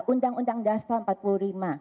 undang undang dasar empat puluh lima